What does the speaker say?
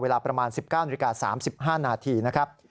เวลาประมาณ๑๙น๓๕น